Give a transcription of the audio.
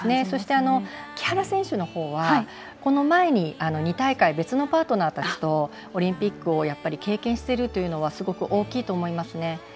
そして木原選手はこの前に２大会、別のパートナーたちとオリンピックを経験しているというのはすごく大きいと思いますね。